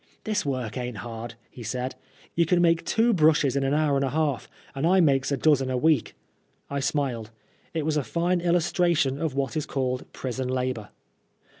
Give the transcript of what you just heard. " This work ain't hard," he said ;" you can make two brushes in an hour and a half, and I makes a dozen a week." I smiled. It was a fine illustration of what is called prison labor.